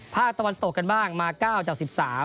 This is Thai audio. ตะวันตกกันบ้างมา๙จาก๑๓